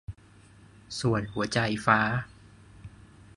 ส่วนหัวใจฟ้า